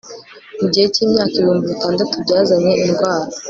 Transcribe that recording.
mu gihe cyimyaka ibihumbi bitandatu byazanye indwara